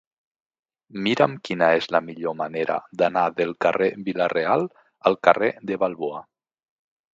Mira'm quina és la millor manera d'anar del carrer de Vila-real al carrer de Balboa.